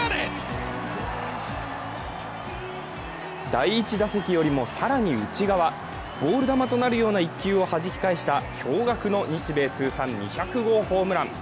第１打席よりも更に内側、ボール球となるような一球をはじき返した驚がくの日米通算２００号ホームラン。